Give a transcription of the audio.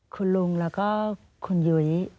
คุณลุงและคุณยุ้ย